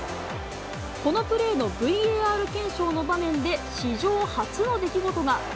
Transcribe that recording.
このプレーのＶＡＲ検証の場面で、史上初の出来事が。